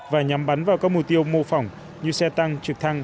và nhắm bắn vào các mục tiêu mô phỏng như xe tăng trực thăng